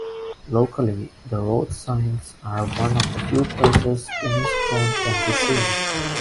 Locally, the road signs are one of the few places "Inniscrone" can be seen.